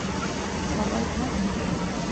সবাই কি কানা নাকি।